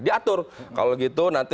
diatur kalau gitu nanti